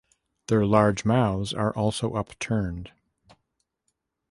Their large mouths are also upturned.